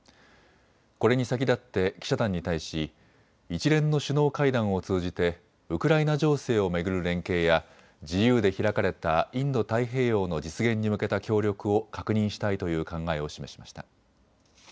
これに先立って記者団に対し一連の首脳会談を通じてウクライナ情勢を巡る連携や自由で開かれたインド太平洋の実現に向けた協力を確認したいという考えを示しました。